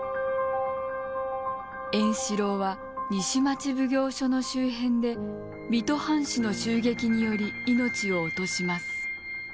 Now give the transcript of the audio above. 円四郎は西町奉行所の周辺で水戸藩士の襲撃により命を落とします。